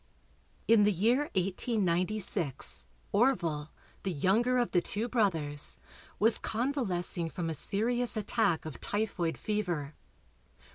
In the year 1896 Orville, the younger of the two brothers, was convalescing from a serious attack of typhoid fever.